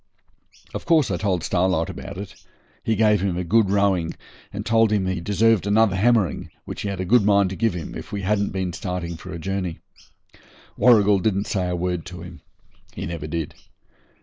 Of course I told Starlight about it. He gave him a good rowing, and told him he deserved another hammering, which he had a good mind to give him, if we hadn't been starting for a journey. Warrigal didn't say a word to him. He never did.